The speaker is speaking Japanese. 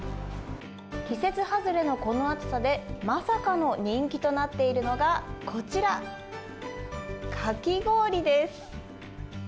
季節外れのこの暑さで、まさかの人気となっているのがこちら、かき氷です。